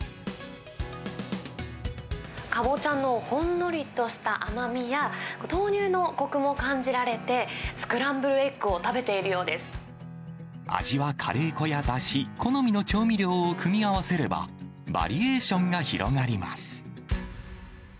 かぼちゃのほんのりとした甘みや、豆乳のこくも感じられて、スクランブルエッグを食べている味はカレー粉やだし、好みの調味料を組み合わせれば、バリエーションが広がります。